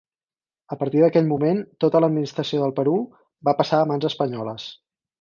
A partir d'aquell moment, tota l'administració del Perú va passar a mans espanyoles.